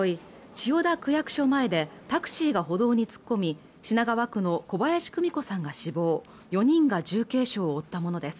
千代田区役所前でタクシーが歩道に突っ込み品川区の小林久美子さんが死亡４人が重軽傷を負ったものです